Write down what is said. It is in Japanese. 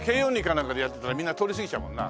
なんかでやってたらみんな通り過ぎちゃうもんな。